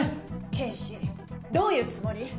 啓士どういうつもり？